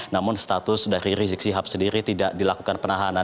namun status dari rizik sihab sendiri tidak dilakukan penahanan